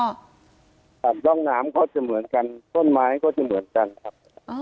ครับร่องน้ำก็จะเหมือนกันต้นไม้ก็จะเหมือนกันครับ